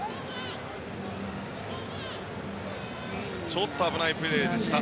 ちょっと危ないプレーでした。